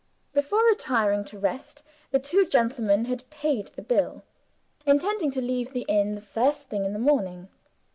Before retiring to rest, the two gentlemen had paid the bill intending to leave the inn the first thing in the morning.